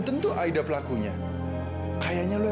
tetap proses tangani